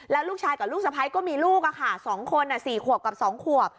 แล้วลูกชายกับลูกสะพ้ายก็มีลูกอะค่ะสองคนอ่ะสี่ขวบกับสองขวบ